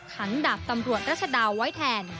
ดาบตำรวจรัชดาไว้แทน